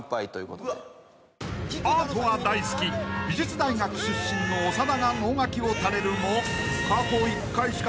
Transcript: ［アートは大好き美術大学出身の長田が能書きを垂れるも］